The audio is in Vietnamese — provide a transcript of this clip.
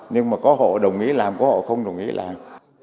nhưng mà có họ đồng ý làm có họ không đồng ý làm